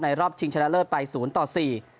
ในรอบชิงชะเลิศไป๐๔